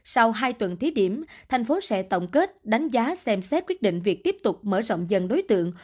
sau hai tuần thí điểm thành phố sẽ tổng kết đánh giá xem xét quyết định việc tiếp tục mở rộng dần đối tượng